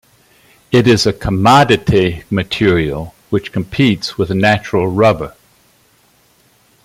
It is a commodity material which competes with natural rubber.